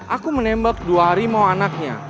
aku menembak dua harimau anaknya